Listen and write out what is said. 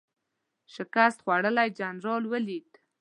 شکست خوړلی جنرال ولید.